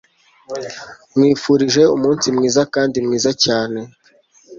Nkwifurije umunsi mwiza kandi mwiza cyane